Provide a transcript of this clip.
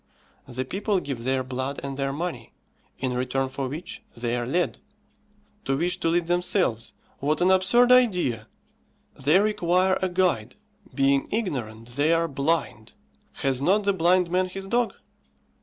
The people give their blood and their money, in return for which they are led. To wish to lead themselves! what an absurd idea! They require a guide; being ignorant, they are blind. Has not the blind man his dog?